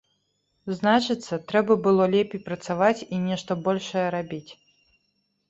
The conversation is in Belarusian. Значыцца, трэба было лепей працаваць і нешта большае рабіць.